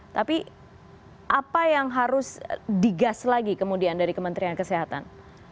tapi apa yang harus digas lagi kemudian dari kementerian kesehatan